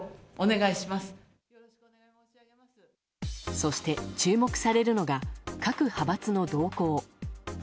そして、注目されるのが各派閥の動向。